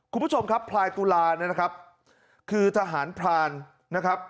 คุณผู้ชมครับพลายตุลาเนี่ยนะครับคือทหารพรานนะครับ